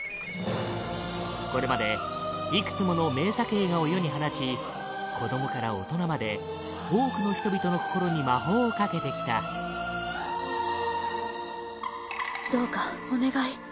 これまでいくつもの名作映画を世に放ち子供から大人まで、多くの人々の心に魔法をかけてきたアーシャ：どうかお願い。